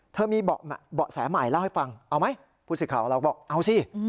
เธอมีเบาะแสหมายเล่าให้ฟังเอาไหมพูดสิข่าวเราบอกเอาสิ